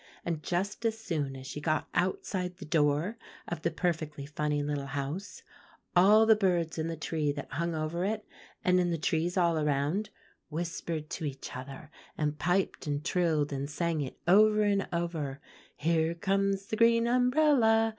And just as soon as she got outside the door of the perfectly funny little house, all the birds in the tree that hung over it, and in the trees all around, whispered to each other, and piped and trilled, and sang it over and over, 'Here comes the green umbrella!